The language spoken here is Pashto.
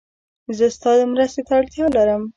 زه ستا مرستې ته اړتیا لرم